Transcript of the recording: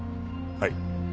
はい。